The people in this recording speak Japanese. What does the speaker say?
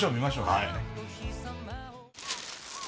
はい。